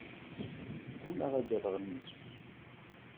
Ggumaɣ ad d-rreɣ nnefs.